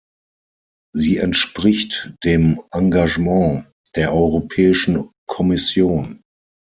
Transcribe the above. Sie entspricht dem Engagement der Europäischen Kommission.